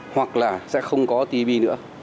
hoặc là sẽ không có tpp nữa